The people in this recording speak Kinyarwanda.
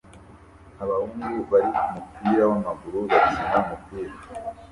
Abahungu bari kumupira wamaguru bakina umupira